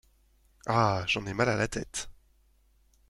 Ah ! j’en ai mal à la tête !